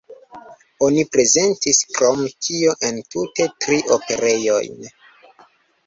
Oni prezentis krom tio entute tri operojn.